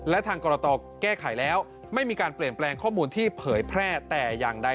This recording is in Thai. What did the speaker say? และทางกรตแก้ไขแล้วไม่มีการเปลี่ยนแปลงข้อมูลที่เผยแพร่แต่อย่างใด